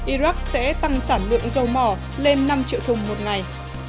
iraq sẽ tăng sản lượng dầu mỏ lên năm triệu thùng một ngày